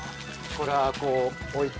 これはこう置いて。